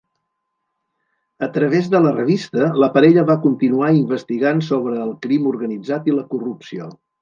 A través de la revista, la parella va continuar investigant sobre el crim organitzat i la corrupció.